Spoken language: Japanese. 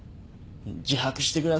自白してください。